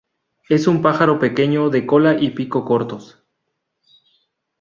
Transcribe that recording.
Es un pájaro pequeño de cola y pico cortos.